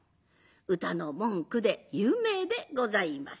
歌の文句で有名でございます。